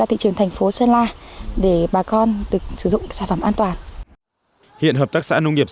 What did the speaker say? hiện hợp tác xã nông nghiệp